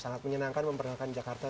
sangat menyenangkan memperkenalkan jakarta